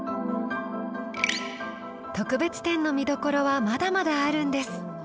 特別展の見どころはまだまだあるんです。